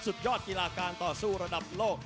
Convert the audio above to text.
สุดยอดกีฬาการต่อสู้ระดับโลก